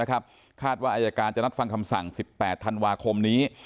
คาดว่าอายการจะนัดฟังคำสั่ง๑๘ธันวาคมนี้